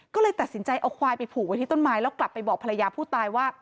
ก็เลยตัดสินใจเอาควายไปผูกไว้ที่ต้นไม้แล้วกลับไปบอกภรรยาผู้ตายว่า